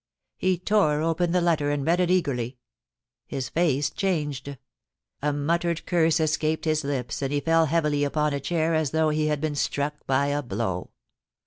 He tore open the letter and read it eagerly. His face changed; a muttered curse escaped his lips, and he fell heavily upon a chair as though he had been struck by a blow.